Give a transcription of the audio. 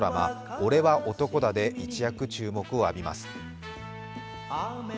「おれは男だ！」で一躍注目を浴びます。